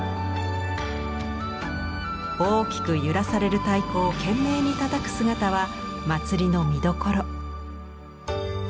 大きく揺らされる太鼓を懸命にたたく姿は祭りの見どころ。